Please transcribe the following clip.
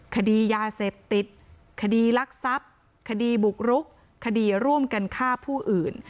คดียาเสพติดคดีรักทรัพย์คดีบุกรุกคดีร่วมกันฆ่าผู้อื่น